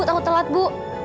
tau telat bu